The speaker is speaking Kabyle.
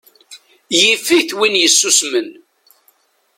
Yif-it win yessusmen.